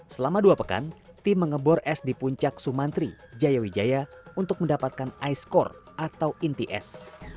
selama dua pekan tim mengebor es di puncak sumantri jayawijaya untuk mendapatkan ice core atau inti es